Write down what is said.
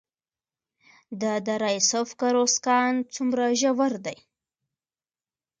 د دره صوف سکرو کان څومره ژور دی؟